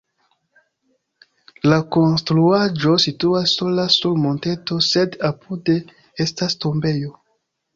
La konstruaĵo situas sola sur monteto, sed apude estas tombejo.